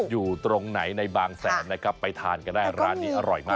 อยู่ตรงไหนในบางแสนนะครับไปทานกันได้ร้านนี้อร่อยมาก